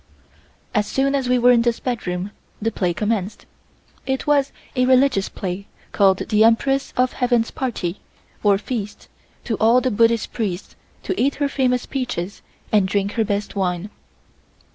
As soon as we were in this bedroom the play commenced. It was a religious play called "The Empress of Heaven's Party or Feast to all the Buddhist Priests to eat her famous peaches and drink her best wine."